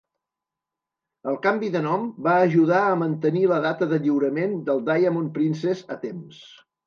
El canvi de nom va ajudar a mantenir la data de lliurament de "Diamond Princess" a temps.